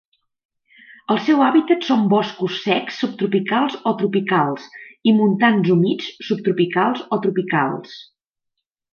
El seu hàbitat són boscos secs subtropicals o tropicals, i montans humits subtropicals o tropicals.